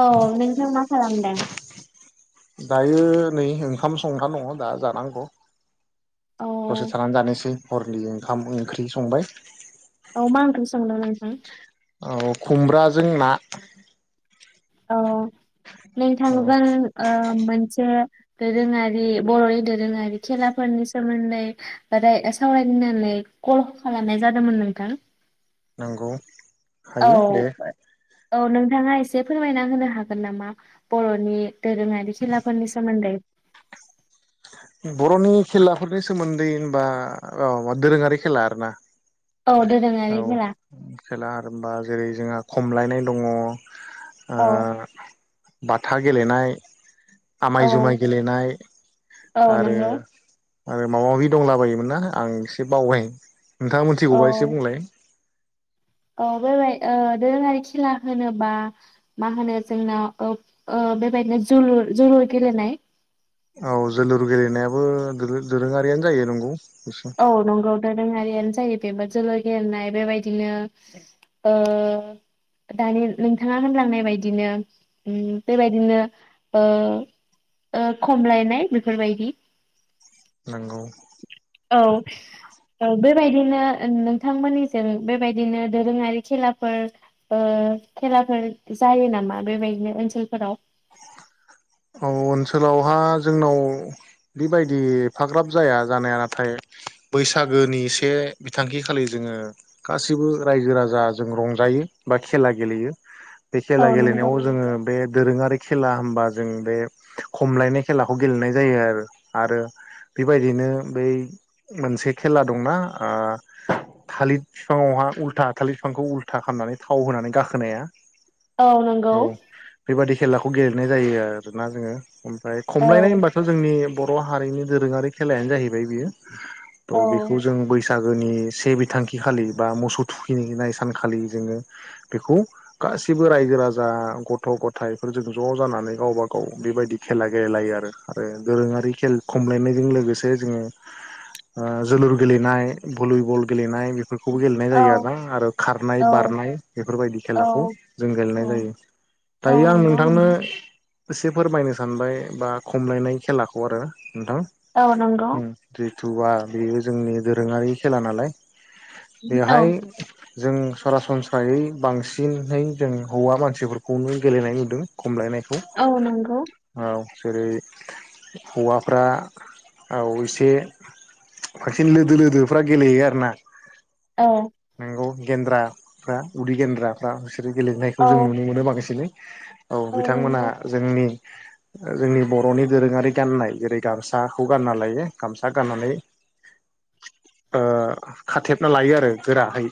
औ नोंथां मा खालामदों। दायो नै ओंखाम संना दङ दा जानांग। औ दसे थानानै जानोसै हरनि ओंखाम ओंख्रि संबाय। औ मा ओंख्रि संदो नोंथां। औ खुमब्राजों ना। आ औ नोंथांबो ओ मोनसे दोरोङारि बरनि दोरोङारि खेलाफोरनि सोमोन्दै [unintelligible] सावरायनानै कल खालामनाय जादोमोन नोंथां। नंगौ। औ हायो दे औ नोंथाङा एसे फोरमायना होनो हागोन नामा बर'नि दोरोङारि खेलाफोरनि सोमोन्दै? बर'नि खेलाफोरनि सोमोन्दै होनबा र दोरोङारि खेला आरोना। औ दोरोङारि औ खेला। खेला आरोमबा जेरै जोंहा खमलायनाय दङ। ओ औ बाथा गेलेनाय आमाय औ जुमाय गेलेनाय। औ आरो। नंगौ आरो माबा माबि दंला बायोमोन ना आं एसे बावबाय। नोंथाङा मिथिगौबा औ एसे बुंलाय। औ बेबाय ओ दोरोङारि खेला होनोबा मा होनो जोंना ओ ओ बेबायदिनो जुलु-जुलुर गेलेनाय। औ जोलुर गेलेनायाबो दोरो दोरोङारियानो जायो नंगौ। एसे औ नंगौ दोर रोङारिआनो जायो बेबो जोलुर गेलनाय बेबायदिनो ओ दानि नोंथाङा होनलांनाय बायदिनो उम बेबायदिनो ओ ओ खमलायनाय बेफोरबायदि। नोंगौ। औ औ बेब बे बायदिनो नोंथांमोननिजों बेबायदिनो दोरोङारि खेलाफोर ओ खेलाफोर जायो नामा? बेबायदिनो ओनसोलफोराव औ ओनसोलावहा जोंनाव बेबायदि एफाग्राब जाया जानाया नाथाय बैसागोनि से बिथांखि खालि जोङो गासिबो रायजो राजा जों रंजायो बा खेला गेलेयो। बे औ खेला नंगौ गेलेनायाव जोङो बे दोरोङारि खेला होनबा जों बे खमलायनाय खेलाखौ गेलेनाय जायो आरो आरो बेबायदिनो बै मोनसे खेला दंना थालिर बिफाङावहा उल्था थालिर बिफांखौ उल्था खालामनानै थाव होनानै गाखोनाया औ नंगौ। बेबादि खेलाखौ गेलेनाय जायो आर आरो ना जोङो फाय औ खमलायनाय होनबाथ जोंनि बर' हारिनि दोरोङारि खेलायानो जाहैबाय बियो। त औ बेखौ जों बैसाग जनि से बिथांखि खालि बा मोसौ थुखिनिनाय सानखालि जोङो बेखौ गासिबो रायजो राजा गथ गथायाइफोरजों ज जानानै गावबा औ बेबायदि खेला गेलेलायो आरो दोरोङारि खेल खमलायनायजों लोगोसे जोङो जोलुर गेलेनाय भलिबल गेलेनाय बेफोरखौबो गेलेनाय औ जायो आरोना आरो खारनाय औ बारनाय बेफोरबायदि औ खेलाखौ जों गेलेनाय औ जायो औ दायो आं नंगौ नोंथांनो नंगौ एसे फोरमायनो सानबाय बा खमलायनाय खेलाखौ आरो औ नंगौ नोंथां दे थुवा बेयो जोंनि दोरोंङारि खेला नालाय औ बेवहाय जों सरासनस्रायै बांसिनै जों हौवा मानसिफोरखौनो गेलेनाय नुदों खमलायनाय हो औ नंगौ जेरै हौवाफ्रा औ एसे बांसिन लोदो लोदोफ्रा गेलेयो आरोना? औ नोंगौ गेन्द्राफ्रा उदै गेन्द्राफ्रा बिसोर गेलेनायखौ औ जों नुनो मोनो बांसिनै औ बिथांमोना जोंनि जोंनि बरनि दोरोङारि गाननाय जेरै गामसाखौ गानना लायो गामसा गाननानै खाथेबना लायो आरो गोराहै।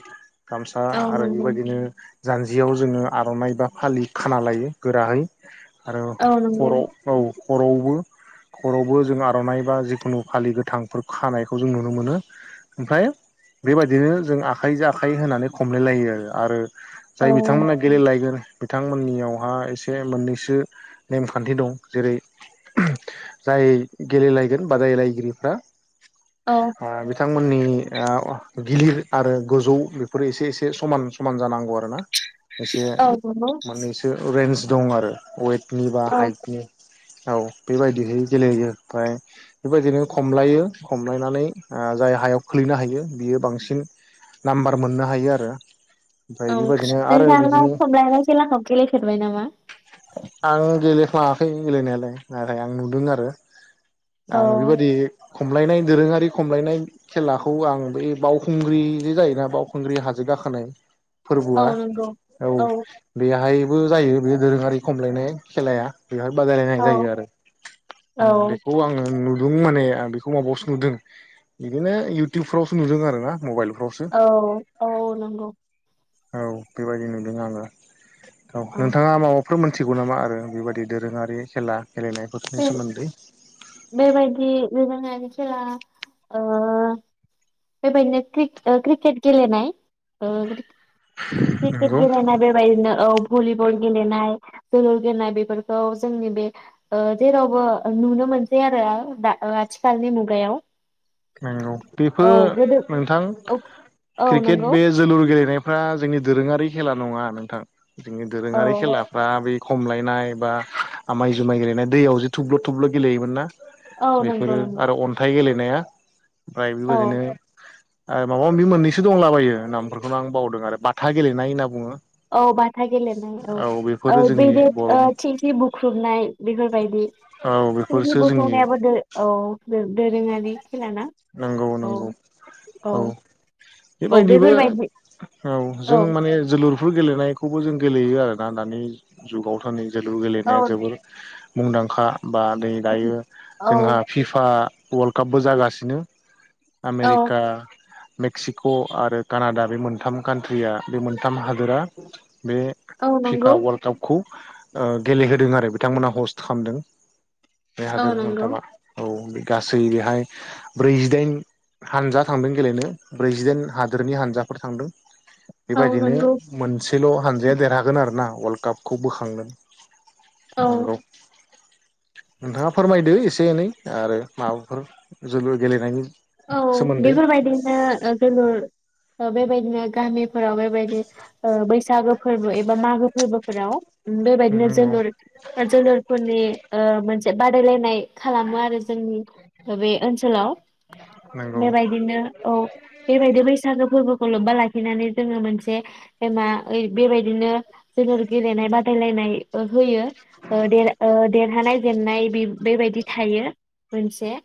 गामसा औ आरो नंगौ बेबायदिनो जान्जियाव जोङो आरनाइ बा फालि खाना लायो गोराहै आरो औ नंगौ खराव औ खरावबो खर'बो जों आरनाइ बा जिखुनु फालि गोथांफोर खानायखौ जों नुनो मोनो ओमफ्राय बेबायदिनो जों आखाइजों आखाइ होनानै खमलाय लायो आरो आरो औ जाय बिथांमोना गेलेलायगोन बिथांमोननियावहा एसे मोननैसो नेमखान्थि दं जेरै जाय गेलेलायगोन बादायलायगिरिफ्रा औ ओ बिथांमोननि ओ गिलिर आरो गोजौ बेफोरो एसे एसे समान समान जानांगौ आरो ना एसे औ नंगौ मोननैसो रेन दं आरो वेट नि बा औ हाइटनि औ बेबायदिहै गेलेयो ओमफ्राय बेबायदिनो खमलायो खमलायनानै ओ जाय हायाव खोलैनो हायो बियो बांसिन नाम्बार मोननो हायो आरो ओमफ्राय औ बेबायदिनो आरो नोंथाङा बिदिनो खमलायनाय खेलाखौ गेलेफेरबाय नामा आं गेलेफ्लाङाखै गेलेनायालाय नाथाय आं नुदों आरो। औ आं बेबायदि खमलायनाय दोरोङारि खमलायनाय खेलाखौ आं बै बावखुंग्रि जे जायोना बावखुंग्रि हाजो गाखोनाय औ फोरबोआ नंगौ औ बेहाय बो जायो बे दोरोङारि खमलायनाय खेलाया बेवहाय बादायलायनाय औ जायो आरो औ बेखौ आङो नु दं माने आं बेखौ माबायावसो नुदों बिदिनो इउटुबफ्रावसो नुदों आर ना मबाइल औ औ नंगौ। औ बेबायदि नुदों आङो। औ औ नोंथाङा माबा बेफोर मिथिगौ नामा आरो बेबायदि दोरोङारि खेला गेलेनायफोरनि बे सोमोन्दै बेबायदि दोरोंआरि खेला ओ बेबायदिनो क्रिक ओ क्रिकेट गेलेनाय ओ क्रिकेट नंगौ गेलेना बेबायदिनो औ भलिबल गेलेनाय जोलुर गेलेनाय बेफोरखौ जोंनि बे जेरावबो नुनो मोनसै आरो ओ दा आथिखालनि मुगायाव नंगौ औ बेफोर गोदो नोंथां औ औ क्रिकेट नंगौ बे जोलुर गेलेनाय फ्रा जोंनि दोरोङारि खेला नङा नोंथां बिदिनो औ दोरोङारि खेलाफ्रा बे खमलायनाय बा आमाय जुमाय गेलेनाय दैयाव जे थब्ल थब्ल गेलेयोमोन ना। औ नंगौ बेफोरो नंगौ आरो अन्थाइ गेले नाया प्राइ औ बेबायदिनो आरो माबा माबि मोननैसो दंलाबायो नामफोरखौनो आं बावदों आरो बाथा गेलेनाय होनना बुङो औ बाथा गेलेनाय औ बेफोरो जोंनि बेदेर बर'नि थिंखि बुख्रुबनाय बेफोरबायदि औ थिख्लि बेफोरसो जोंनि बुख्रुबनायाबो दो औ दो दोरोङारि खेलाना नंगौ औ नंगौ औ औ बेबायदिबो बेफोरबायदि औ जों माने जोलुर बो गेलेनायखौबो जों गेलेयो आरोना दानि जुगाव थानै जोलुर औ गेलनाय जोबोर मुंदांखा बा दै दायो औ जोंहा फिफा वाल्ड कापबो जागास [unintelligible] औ आमेरिका मेक्सिक आरो कानाडा बे मोनथाम कान्ट्रिया बे मोनथाम हादोरा। बे औ फिफा नंगौ वाल्ड कापखौ ओ गेलेहोदों आरो बिथांमोना हस्ट खामदों । बेे औ हादोर नंगौ मोनथामा औ बि । गासै बेहाय। ब्रैजिदाइन हानजा थांदों गेलेनो ब्रैजिदाइन हादोरनि हानजाफोर थांदों। औ बेबायदिनो नंगौ मोनसेल' हानजाया देरहागोन आरो ना वाल्ड कापखौ बोखांगोन। औ नंगौ नोंथाङा फोरमायदो इसे एनै आरो। माबाफोर। जोलुर गेलेनायनि। औ सोमोन्दै बेफोरबायदिनो जोलुर। बेबायदिनो गामिफोराव बेबायदि। ओ बैसागो फोरबो एबा मागोब फोरबोफोराव। ओम बे बायदिनो नंगौ जोलुर जोलोरफोरनि ओ मोनसे बे बादायलायनाय। खालामो आरो जोंनि बे ओनसोलाव। नंगौ बेबायदिनो औ बेबायदि बैसागो फोरबोखौ लोबबा लाखिनानै जोङो मोनस बे बे मा ओइ बेबाय बिनो जोलुर गेलेनाय बादायलायनाय । ओ। होयो ओ ओ देरह देरहानाय जेननाय बेब बेबायदि थायो मोनसे ।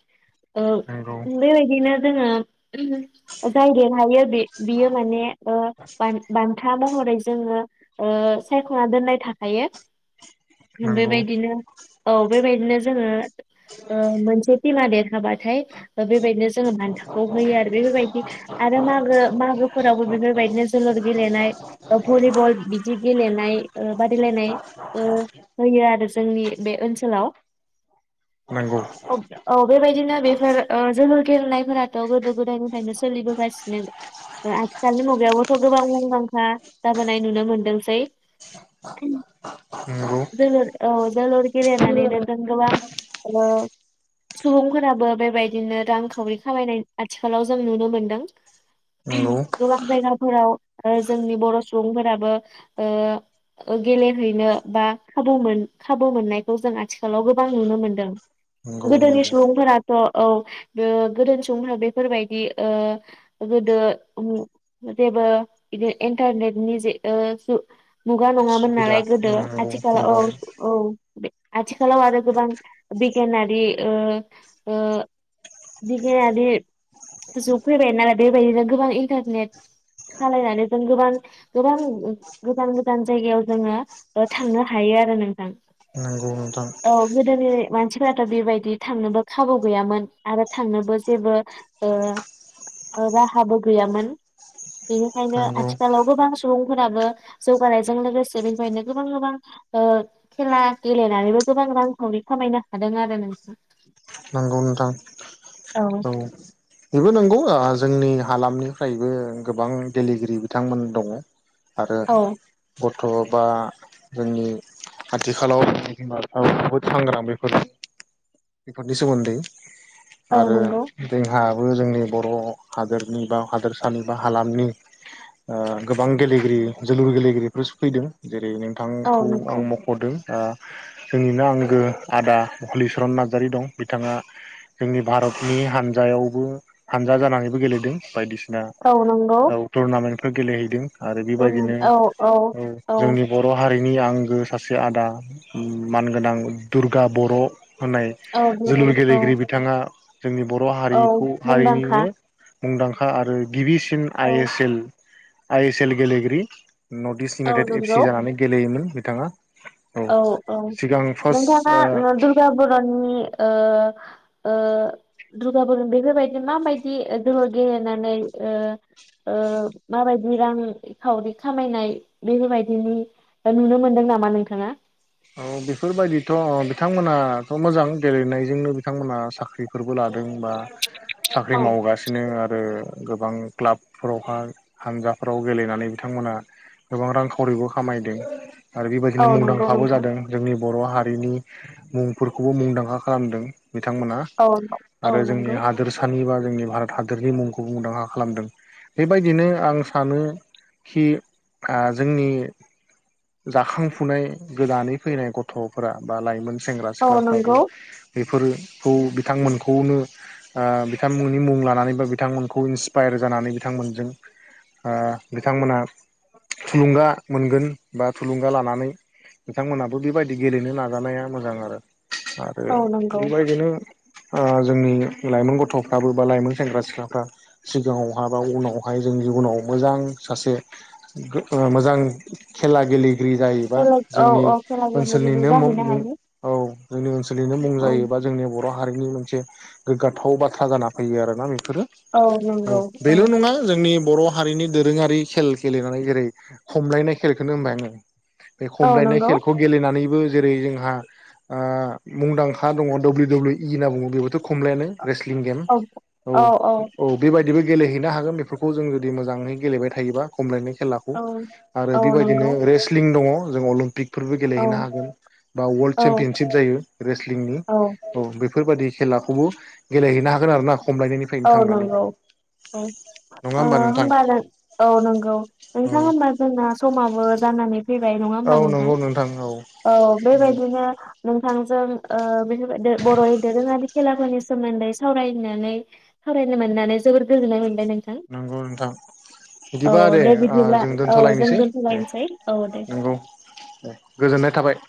नोंगौ।। बिनो जोंङोब जाय देरहायो बे बियो माने ओ बान-बान्था महरै जोङो। ओ सायख'ना दोननाय थाखायो। मोनबाय नंगौ बायदिनो औ बेबाय नो जोङो ओ मानसे तिमा देर हाबाद। [unintelligible] बेबायदिनो जोङो बान्थाखौ होयो आरो बेफोरबायदि आरो मागो मागोफोरावबो बेफोरबायदिनो जोलुर गेलेनाय भलिबल बिदि गेलेनाय ओ बादायलायनाय ओ होयो आरो जोंनि बे ओनसोलाव नंगौ औ बेबायदिनो बेफोर गलेनायफोरा गोदो गोदायनिफ्रायनो सोलिबोगासिनो आथिखालनि मुगायावबोथ' गोबां मुंदांखा जाबोनाय नुनो मोनदोंसै नंगौ जोलुर औ जोलुर गेलेनानैनो जों गोबां ओ सुबुंफोराबो बेबायदि बिदिनो रांखावरि खालामायनाय आथिखालाव जों नुनो मोनदों। नंगौ गोबां जायगाफोराव जोंनि बर' सुबुंफोराबो ओ गेलेहैनो बा खाबु मोन खाबु मोननायखौ जों आथिखालाव गोबां नुनो मोनदों। नंगौ गोदोनि नंगौ सुबुंफोराथ' औ गोदोनि सुबुंफोरा बेफोरबायदि ओ गोदो उम जेबो बिदि इन्टारनेटनि जे ओ सु मुगा नङामोन नालाय सुबिदा गोदो नंगौ आथिखालाव औ नंगौ औ आथिखालाव आरो गोबां गेनारि ओह ओह बिगियानारि गोजौआव फैबाय नालाय बेबायदिनो गोबां इन्टारनेट सालायनानै जों गोबां गोबां गोजान गोजान जायगायाव जोङो थांनो हायो आरो नोंथां। नोंगौ नोंथां। औ गोदोनि मानसिफोराथ' बेबायदि थांनोबो खाबु गैयामोन। आरो थांनोबो जेबो ओ ओ राहाबो गैयामोन। बेनिखायनो नंगौ आथिखालाव गोबां सुबुं फोराबो जौगानायजों लोगोसे बेनिफ्रायनो गोबां-गोबां ओ खेला गेलेनानैबो गोबां रांखावरि खामायनो हादों आरो नों नंगौ नोंथां। औ बेबो नोंगौ आ जोंनि हालामनिफ्रायबो गोबां गेलेगिरि बिथांमोन दङ आरो औ ब थ'बा जोंनि आथिखालाव बिमा बिफाव बुहुद सांग्रां बेफोर बेफोरनिसोमोन्दै औ आरो नंगौ जोंहा बो जोंनि बर हादोरनि बा हादोरसानि बा हालामनि ओ गोबां गेलेगिरि जोलुर गेलेगिरिफोर सफैदों जेरै औ नोंथांखौ आं नंगौ मखदों ओ जोंनिनो आंगो आदा हलिचरन नार नारजारी दं बिथाङा जोंनि भारतनि हानजायावबो हानजा जानानैबो गेलेदों बायदिसिना औ नंगौ औ टुरनामेन्ट बो गेलेहैदों आरो बेबायदिनो औ जोंनि बर हारि नि आंगो सासे आदा मानगोनां दुर्गा बर होननाय जोलुर औ गेलेगिरि बिथाङा जोंनि बर' औ हारिखौ मुंदांखा हारिनिनो मुंदांखा आरो गिबिसिन औ I S L I S L गेलेगिरि नर्थ इस्ट औ इउनाइटेड एफ नंगौ सि जानानै गेलेयोमोन। बिथाङा औ औ सिगां नोंथाङा फार्स्ट ओ दुर्गा बरनि ओ ओ दुर्गा बर' बेफोरबायदि माबायदि दहर गेलेनानै ओ ओ माबायदि रांखावरि खामायनाय बेफोरबायदिनि नुनो मोनदों नामा नोंथाङा । औ बेफोरबायदिथ बिथांमोनाथ मोजां गेलेनायजोंनो बिथांमोना साख्रिफोरबो लादों बा साख्रि औ मावगासिनो आरो गोबां क्लाबफोरावहााय हानजाफोराव गेलेनानै बिथांमोनहा गोबां रांखावरिबो खामायदों आरो औ बेबायदिनो मुंदां नंगौ आरबाव नोंथां। जादों जोंनि बर' हारिनि मुंफोरखौबो मुंदांखा खालामदों। बिथांमोना औ औ आरो जोंनि नंगौ। हादोरसानि बा जोंनि भारत हादरनि मुंखौ मुंदांखा खालामदों बेबायदिनो आं सानो खि ओ जोंनि जाखांफुनाय गोदानै फैनाय गथफोरा बा लाइमोन सेंग्रा औ सिख्लाफ्राबो नंगौ बेफोरोफोरखौ बिथांमोनखौनो बिथांमोननि मुं लानानै बा बिथांमोनखौ इन्सपायार जानानै बिथांमोनजों ओ बिथांमोना थुलुंगा मोनगोन बा थुलुंगा लानानै नोंथांमोनहाबो बेबायदि गेलेनो नाजानाया मोजां आरो आरो औ नंगौ बेबायदिनो ओ जोंनि लाइमोन गथफ्राबो बा लाइमोन सेंग्रा सिख्लाफ्रा सिगाङावहाय बा उनावहाय जों जिबनाव मोजां सासे मोजां खेला गेले बि जायैबा खेला औ जोंनि औ खेला गेले गेले ओनसोलनिनो जाहैनो हायो औ जोंनि ओनसोलनिनो मुं औ। जायोबा जोंनि बर' हारिनि मोनसे गोग्गाथाव बाथ्रा जाना फैयो आरो ना बेफोरो औ नंगौ औ बेल नङा जोंनि बर हारिनि दोरोङारि खेल खेलेनानै जेरै खमलायनाय खेलखौनो होनबाय आङो बे औ खमलायनाय नंगौ खेलखौ गेलेनानै जेरै जोंहा ओ मुंदांखा दङ दडाब्लिउ दाब्लिउ इ होनना बुङो बेथ। खमलाय रेसलिं गेम औ औ बेबायदिनो गेलेहैनो हागोन बेफोरखौ जों जुदि मोजाङै गेलेबाय थायोबा खमलायनाय खेलाखौ औ आरो औ बेबायदिनो नंगौ रेस्लिं दङ जों अलिम्पिक फोरबो औ गेलेहैनो हागोन बा वर्ल्ड औ चेम्पियनशिप जायो रेस्लिंनि औ बे बेफोरबायदि सेलाखौबो गेलेहैनो हागोन आर ना औ नंगौ औ नङा ओ नोंथां होमबा औ नंगौ औ नोंथां होमबा जोंना समाबो जानानै फैबाय नङा औ होनबा नोंथां नंगौ औ औ बेबायदिनो। नोंथांजों ओ बे बर दोरोङारि खेलाफोरनि सोमोन्दै सावरायनानै सावरायनो मोननानै जोबोद गोजोननाय मोन नंगौ नोंथां औ बिदिबा दे ओ बिदिब्ला जों दोनथ' औ जों लायनोसै दे दोनथ'लायनोसै औ दे। नंगौ दे गोजोननाय थाबाय।